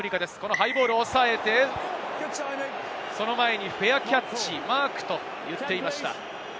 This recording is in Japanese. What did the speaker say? ハイボールを抑えて、その前にフェアキャッチ、マークと言っていました。